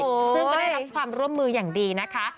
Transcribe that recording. ซึ่งก็ได้รับความร่วมมืออย่างดีนะคะ